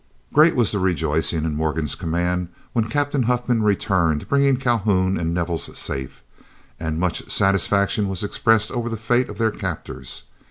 Great was the rejoicing in Morgan's command when Captain Huffman returned bringing Calhoun and Nevels safe; and much satisfaction was expressed over the fate of their captors.